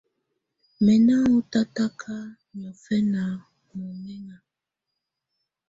Mɛ̀ nà ɔ́n tataka niɔ̀fɛna muhɛna.